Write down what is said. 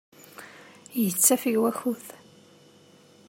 Yettafeg wakud.